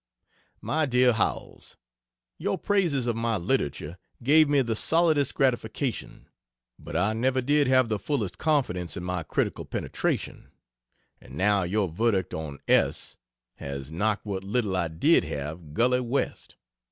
MY DEAR HOWELLS, Your praises of my literature gave me the solidest gratification; but I never did have the fullest confidence in my critical penetration, and now your verdict on S has knocked what little I did have gully west!